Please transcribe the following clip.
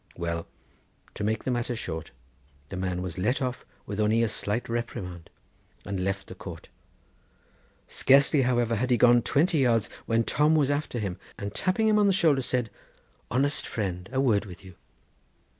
Well: to make the matter short, the man was let off with only a slight reprimand, and left the court. Scarcely, however, had he gone twenty yards, when Tom was after him, and tapping him on the shoulder said: 'Honest friend, a word with you!